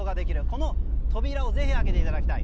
この扉をぜひ開けていただきたい。